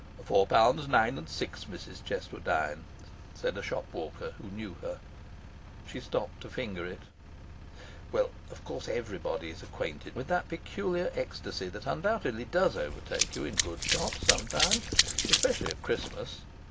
'Four pounds, nine and six, Mrs Cheswardine,' said a shop walker, who knew her. She stopped to finger it. Well, of course everybody is acquainted with that peculiar ecstasy that undoubtedly does overtake you in good shops, sometimes, especially at Christmas.